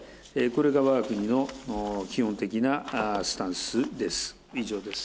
これがわが国の基本的なスタンスです。